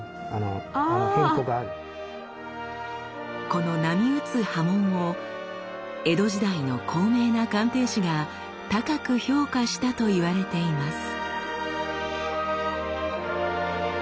この波打つ刃文を江戸時代の高名な鑑定士が高く評価したと言われています。